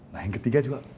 nah yang ketiga juga